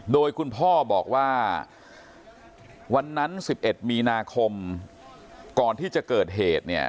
โดยคุณพ่อบอกว่าวันนั้น๑๑มีนาคมก่อนที่จะเกิดเหตุเนี่ย